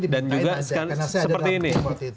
dan juga seperti ini